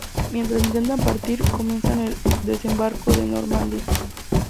Mientras intentan partir, comienza el Desembarco de Normandía.